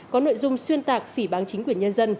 có nội dung xuyên tạc phỉ bán chính quyền nhân dân